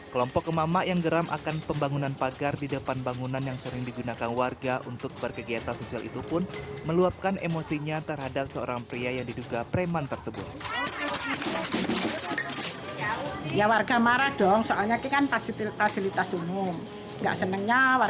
kelompok emak emak yang geram akan pembangunan pagar di depan bangunan yang sering digunakan warga untuk berkegiatan sosial itu pun meluapkan emosinya terhadap seorang pria yang diduga preman tersebut